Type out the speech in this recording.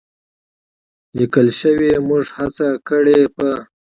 لیکل شوې، موږ هڅه کړې په